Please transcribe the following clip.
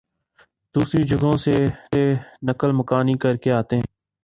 دوسری جگہوں سے نقل مکانی کرکے آتے ہیں